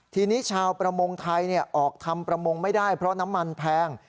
ทีนี้ชาวประมงไทยออกทำประมงไม่ได้เพราะน้ำมันแพง